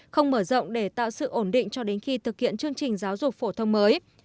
không mở rộng để tạo sự ổn định cho đến khi thực hiện chương trình giáo dục phổ thông mới